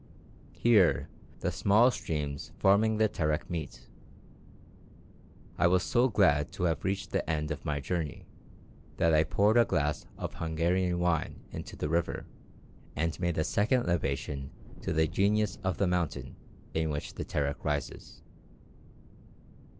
Here the small streams forming the Terek meet. I was so glad to have reached the end of my journey, that I poured a glass of Hungarian wine into the river, and made a second libation to the genius of the mountain in which the Terek rises.